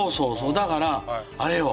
だからあれよ